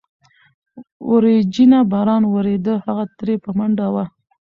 وريچينه باران وريده، هغه ترې په منډه وه.